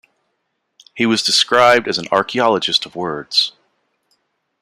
He was described as an "archeologist of words".